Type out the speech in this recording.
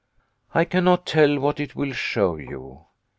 I can not tell what it will show you.